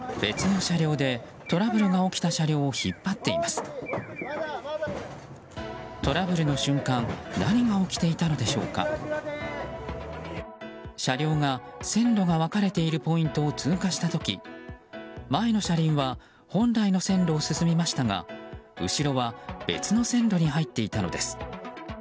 車両が、線路が分かれているポイントを通過した時前の車輪は本来の線路を進みましたが後ろは別の線路に入っていたのです。